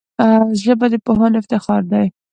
ژبه د پوهانو افتخار دی